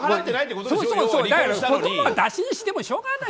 子供をだしにしてもしょうがない。